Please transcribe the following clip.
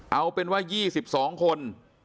เอาเป็นว่า๒๒คน